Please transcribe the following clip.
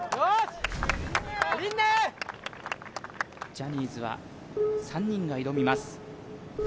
ジャニーズは３人が挑みます